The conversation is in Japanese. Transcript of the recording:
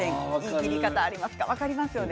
切り方、ありますか？